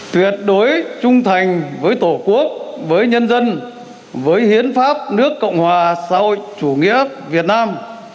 tuyệt đối trung thành với tổ quốc với nhân dân với hiến pháp nước cộng hòa xã hội chủ nghĩa việt nam